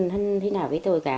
hình thế nào với tôi cả